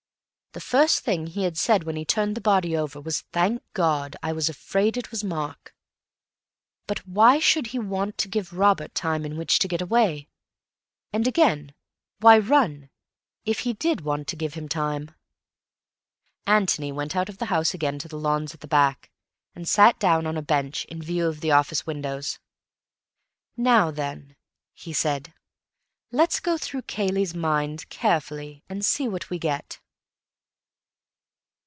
The first thing he had said when he turned the body over was, 'Thank God! I was afraid it was Mark.' But why should he want to give Robert time in which to get away? And again—why run, if he did want to give him time?" Antony went out of the house again to the lawns at the back, and sat down on a bench in view of the office windows. "Now then," he said, "let's go through Cayley's mind carefully, and see what we get."